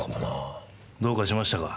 どうかしましたか？